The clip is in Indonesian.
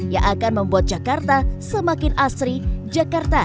yang akan membuat jakarta semakin terbaik